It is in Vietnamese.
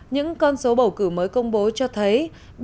những con số bầu cử mới công bố cho thấy